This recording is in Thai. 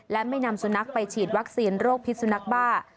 และไม่นำสุนัขไปฉีดวัคซีนโรคพิษสุนักบ้า